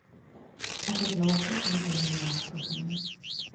Ek het laasweek met ’n nuwe werk begin